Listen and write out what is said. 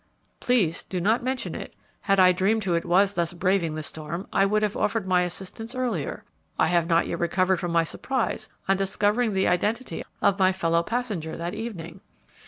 "Please do not mention it. Had I dreamed who it was thus braving the storm, I would have offered my assistance earlier. I have not yet recovered from my surprise on discovering the identity of my fellow passenger that evening."